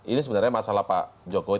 ini sebenarnya masalah pak jokowi